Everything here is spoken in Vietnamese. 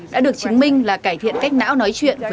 đã được chứng minh là cải thiện cách não nói chuyện với chính nó